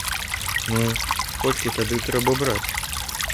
Ну, колькі тады трэба браць?